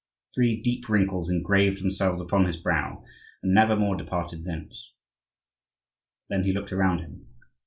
Three deep wrinkles engraved themselves upon his brow and never more departed thence. Then he looked around him.